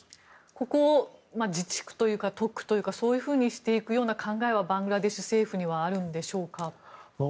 ここを自治区というか特区というかそういうふうにする考えはバングラデシュ政府にはあるんでしょうか。